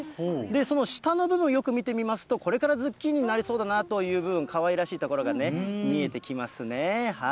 その下の部分、よく見てみますと、これからズッキーニになりそうだなという部分、かわいらしいところがね、見えてきますね。